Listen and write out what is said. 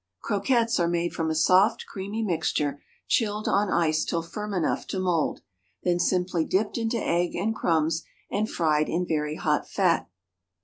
Croquettes are made from a soft creamy mixture chilled on ice till firm enough to mould, then simply dipped into egg and crumbs and fried in very hot fat.